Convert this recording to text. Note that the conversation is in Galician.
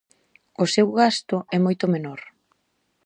O seu gasto é moito menor.